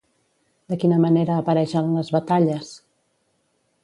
De quina manera apareix en les batalles?